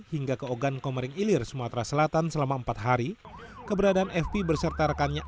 hingga ke ogan komering ilir sumatera selatan selama empat hari keberadaan fp berserta rekannya